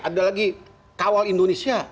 ada lagi kawal indonesia